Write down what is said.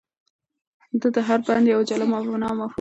د ده هر بند یوه جلا مانا او مفهوم لري.